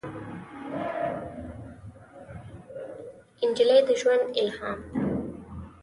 نجلۍ د ژوند الهام ده.